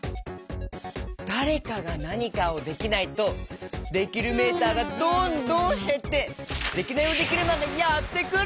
だれかがなにかをできないとできるメーターがどんどんへってデキナイヲデキルマンがやってくる！